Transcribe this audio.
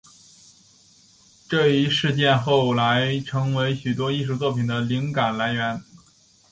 这一事件后来成为许多艺术作品的灵感来源。